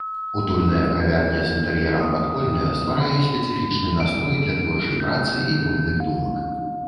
Утульная кавярня з інтэр'ерам падполля стварае спецыфічны настрой для творчай працы і вольных думак.